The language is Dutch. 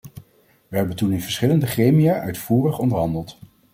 Wij hebben toen in verschillende gremia uitvoerig onderhandeld.